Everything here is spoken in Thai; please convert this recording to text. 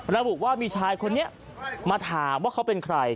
ระบุว่ามีชายคนนี้มาถามว่าเขาเป็นใคร